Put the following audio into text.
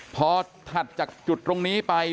พอถัดจากจุดตรงนี้ไป